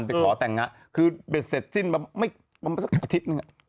ไปขอแต่งงะคือเสร็จสิ้นประมาณอาทิตย์นึง